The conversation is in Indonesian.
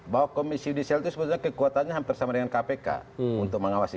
bahwa komisi judisial itu sebetulnya kekuatannya hampir sama dengan kpk untuk mengawasi